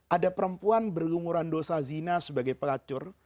ada perempuan berlumuran dosa zina sebagai pelacur